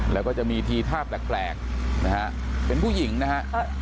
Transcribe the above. แล้วก็จะมีทีท่าแปลกนะฮะเป็นผู้หญิงนะฮะ